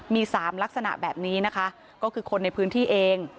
มี๓ลักษณะแบบนี้นะคะก็คือคนในพื้นที่เอง